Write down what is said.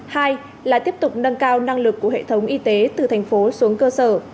hai là tiếp tục nâng cao năng lực của hệ thống y tế từ thành phố xuống cơ sở